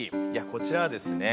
こちらはですね